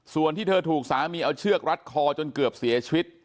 ส่วนที่เธอถูกสามีเอาเชือกรัดคอจนเกือบเสียชีวิต